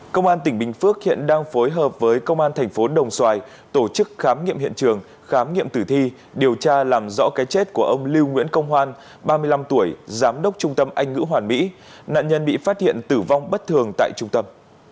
công an tỉnh bình phước hiện đang phối hợp với công an thành phố đồng xoài tổ chức khám nghiệm hiện trường khám nghiệm tử thi điều tra làm rõ cái chết của ông lưu nguyễn công hoan ba mươi năm tuổi giám đốc trung tâm anh ngữ hoàn mỹ nạn nhân bị phát hiện tử vong bất thường tại trung tâm